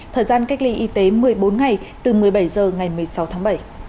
thời gian cách ly y tế một mươi bốn ngày từ một mươi bảy h ngày một mươi sáu tháng bảy